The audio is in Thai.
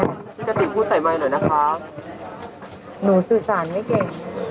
พี่กติกพูดใส่ไมค์หน่อยนะคะหนูสื่อสารไม่เก่ง